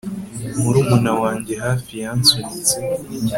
Murumuna wanjye hafi yansunitse